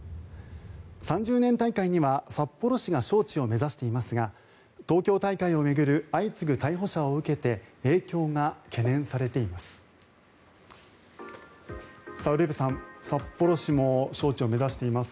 ３０年大会には札幌市が招致を目指していますが東京大会を巡る相次ぐ逮捕者を受けて影響が懸念されています。